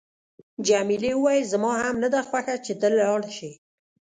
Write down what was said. جميلې وويل: زما هم نه ده خوښه چې ته لاړ شې.